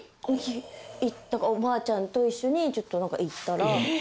おばあちゃんと一緒にちょっと行ったら。